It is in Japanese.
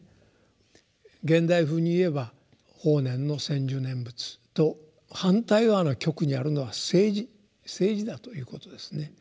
現代風に言えば法然の専修念仏と反対側の極にあるのは政治政治だということですね。